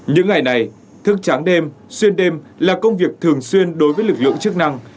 những ngày này thức tráng đêm xuyên đêm là công việc thường xuyên đối với lực lượng chức năng